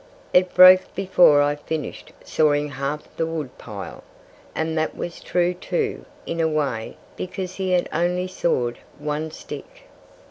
It broke before I finished sawing half the wood pile." And that was true, too, in a way; because he had only sawed one stick.